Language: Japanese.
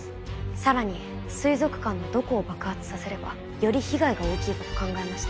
さらに水族館のどこを爆発させればより被害が大きいかと考えました。